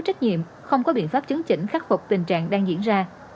trách nhiệm không có biện pháp chứng chỉnh khắc phục tình trạng đang diễn ra